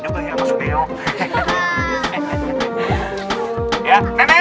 aduh harusnya ada onekanya aja juga ya pak sudeo